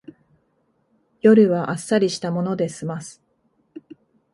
夜はあっさりしたもので済ます